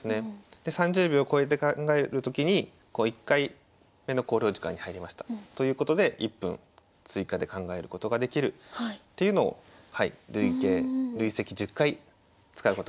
で３０秒超えて考えるときに「１回目の考慮時間に入りました」ということで１分追加で考えることができるというのを累積１０回使うことができます。